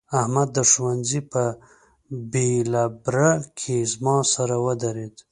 احمد د ښوونځي په بېلبره کې زما سره ودرېد.